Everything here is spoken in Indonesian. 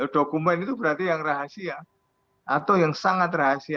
dokumen itu berarti yang rahasia atau yang sangat rahasia